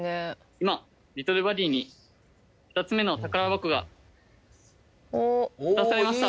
今リトルバディに２つ目の宝箱が渡されました。